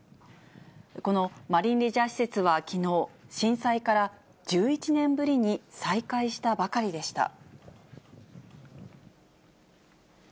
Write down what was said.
このマリンレジャー施設はきのう、震災から１１年ぶりに再開したばかりでした。